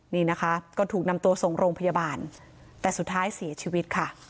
นี่นะคะก็ถูกนำตัวส่งโรงพยาบาลแต่สุดท้ายเสียชีวิตค่ะ